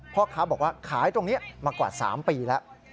พ่อค้าบอกว่าขายตรงนี้มากว่า๓ปีแล้ว